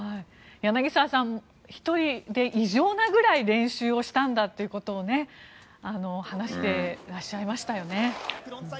柳澤さん、１人で異常なくらい練習をしたんだということを話していらっしゃいましたよね。